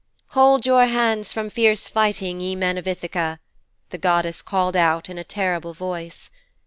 'Hold your hands from fierce fighting, ye men of Ithaka,' the goddess called out in a terrible voice.